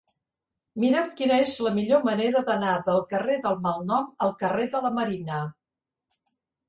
Mira'm quina és la millor manera d'anar del carrer del Malnom al carrer de la Marina.